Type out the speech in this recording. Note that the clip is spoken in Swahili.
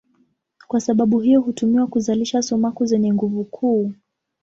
Kwa sababu hiyo hutumiwa kuzalisha sumaku zenye nguvu kuu.